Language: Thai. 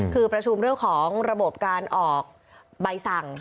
คือประชุมเรื่องของระบบการออกใบสั่ง